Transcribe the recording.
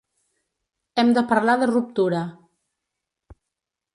Hem de parlar de ruptura.